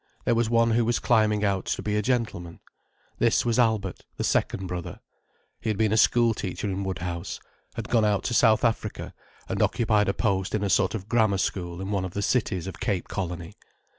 There was one who was climbing out, to be a gentleman. This was Albert, the second brother. He had been a school teacher in Woodhouse: had gone out to South Africa and occupied a post in a sort of Grammar School in one of the cities of Cape Colony.